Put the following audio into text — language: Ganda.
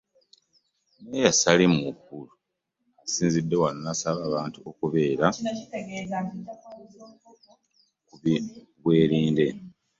Mmeeya Salim Uhuru asinzidde wano n'asaba abantu okubeera ku bwerinde